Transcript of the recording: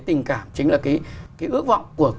tình cảm chính là cái ước vọng của